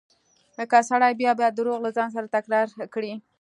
که سړی بيا بيا درواغ له ځان سره تکرار کړي.